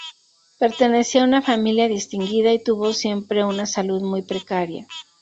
Pertenecía a una familia distinguida y tuvo siempre una salud muy precaria.